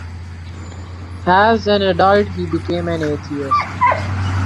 As an adult, he became an atheist.